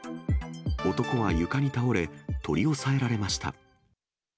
男は床に倒れ、取り押さえられました。